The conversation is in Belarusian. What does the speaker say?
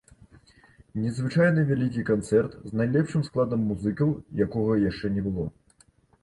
Незвычайны вялікі канцэрт з найлепшым складам музыкаў, якога яшчэ не было.